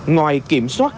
ngoài kiểm soát